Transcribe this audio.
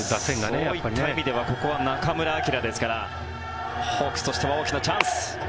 そういった意味ではここは中村晃ですからホークスとしては大きなチャンス。